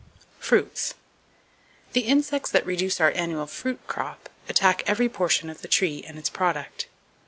Fruits. —The insects that reduce our annual fruit crop attack every portion of the tree and its product.